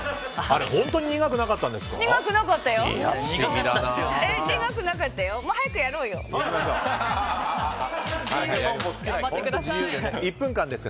本当に苦くなかったんですか？